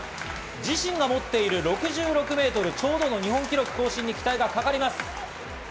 自身が持っている６６メートルちょうどの日本記録更新に期待がかかります。